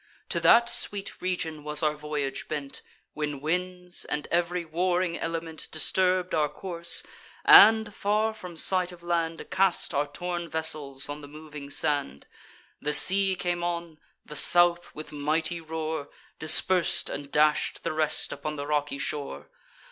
To that sweet region was our voyage bent, When winds and ev'ry warring element Disturb'd our course, and, far from sight of land, Cast our torn vessels on the moving sand: The sea came on; the South, with mighty roar, Dispers'd and dash'd the rest upon the rocky shore.